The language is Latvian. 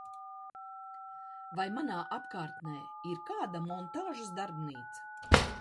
Vai manā apkārtnē ir kāda montāžas darbnīca?